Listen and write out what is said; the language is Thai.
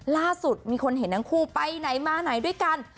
ล่าสุดมีคนเห็นทั้งคู่ไปไหนมาไหนด้วยกัน